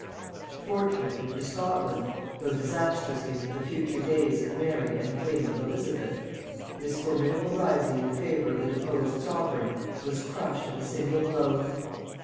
Fortunately for Scotland, though disastrously for the future days of Mary and the fame of Elizabeth, this formidable rising in favor of the deposed sovereign was crushed at a single blow.